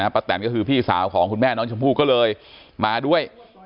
แตนก็คือพี่สาวของคุณแม่น้องชมพู่ก็เลยมาด้วย